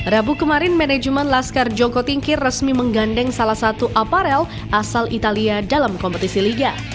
rabu kemarin manajemen laskar joko tingkir resmi menggandeng salah satu aparel asal italia dalam kompetisi liga